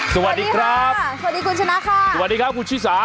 สวัสดีครับสวัสดีคุณชนะค่ะสวัสดีครับคุณชิสา